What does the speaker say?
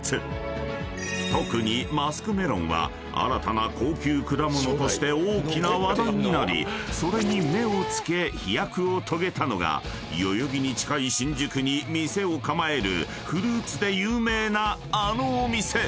［特にマスクメロンは新たな高級果物として大きな話題になりそれに目を付け飛躍を遂げたのが代々木に近い新宿に店を構えるフルーツで有名なあのお店］